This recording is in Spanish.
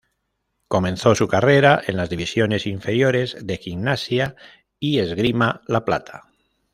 Comenzó su carrera en las divisiones inferiores de Gimnasia y Esgrima La Plata.